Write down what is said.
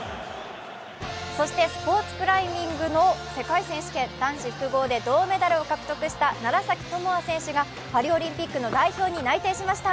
そして、スポーツクライミングの世界選手権、男子複合で銅メダルを獲得した楢崎智亜選手がパリオリンピックの代表に内定しました。